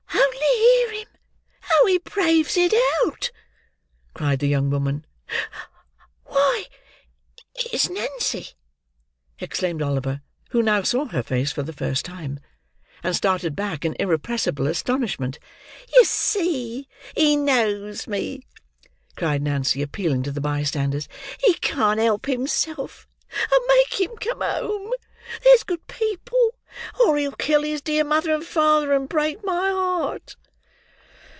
"Only hear him, how he braves it out!" cried the young woman. "Why, it's Nancy!" exclaimed Oliver; who now saw her face for the first time; and started back, in irrepressible astonishment. "You see he knows me!" cried Nancy, appealing to the bystanders. "He can't help himself. Make him come home, there's good people, or he'll kill his dear mother and father, and break my heart!"